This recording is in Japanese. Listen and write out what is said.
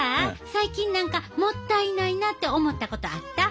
最近何かもったいないなって思ったことあった？